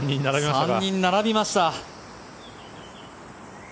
３人並びました。